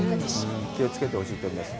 気をつけてほしいと思います。